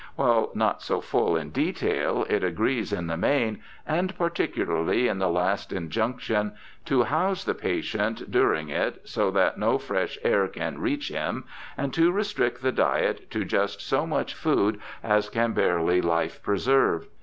While not so full in detail, it agrees in the main, and particularly in the last injunction, to ' house ' the patient during it, so that no fresh air can reach him, and to restrict the diet to 'just so much food as can bare life preser\'e